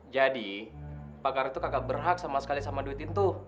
jadi pak ardun itu kagak berhak sama sekali sama duit itu